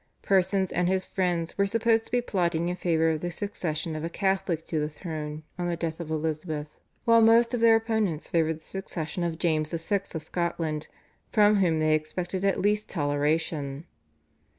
Persons and his friends were supposed to be plotting in favour of the succession of a Catholic to the throne on the death of Elizabeth, while most of their opponents favoured the succession of James VI. of Scotland, from whom they expected at least toleration.